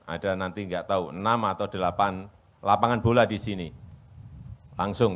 ada nanti nggak tahu enam atau delapan lapangan bola di sini langsung